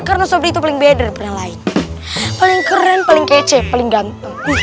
karena sobr itu lebih beda dari lain paling keren paling kece paling ganteng